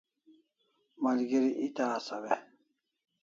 Malgeri eta asaw e?